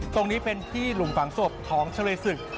ตรงนี้เป็นที่หลุมฝังศพของเฉลยศึก